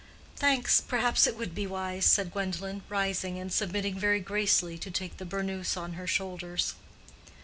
"Thanks; perhaps it would be wise," said Gwendolen, rising, and submitting very gracefully to take the burnous on her shoulders.